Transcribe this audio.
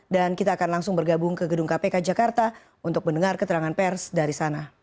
dan kita akan langsung bergabung ke gedung kpk jakarta untuk mendengar keterangan pers dari sana